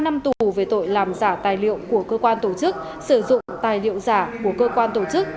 năm năm tù về tội làm giả tài liệu của cơ quan tổ chức sử dụng tài liệu giả của cơ quan tổ chức